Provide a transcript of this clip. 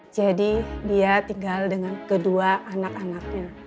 jadi dia tinggal dengan kedua anak anaknya